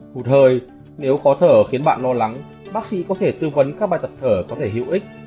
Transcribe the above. cụt thời nếu khó thở khiến bạn lo lắng bác sĩ có thể tư vấn các bài tập thở có thể hữu ích